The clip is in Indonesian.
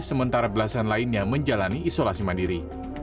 sementara belasan lainnya menjalani isolasi mandiri